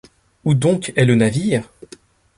Où donc est le navire?